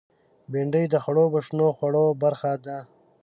بېنډۍ د خړوبو شنو خوړو برخه ده